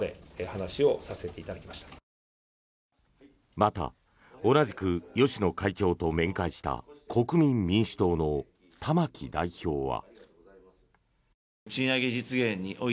また、同じく芳野会長と面会した国民民主党の玉木代表は。